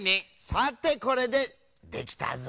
さてこれでできたぞ。